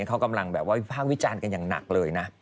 เขากำลังวิจารณ์กันอย่างหนักเลยนะ